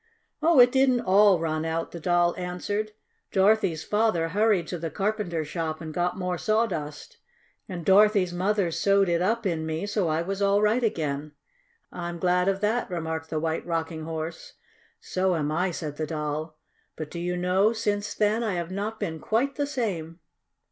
"Oh, it didn't all run out!" the Doll answered. "Dorothy's father hurried to the carpenter shop and got more sawdust, and Dorothy's mother sewed it, up in me so I was all right again." "I'm glad of that," remarked the White Rocking Horse. "So am I," said the Doll. "But do you know, since then, I have not been quite the same."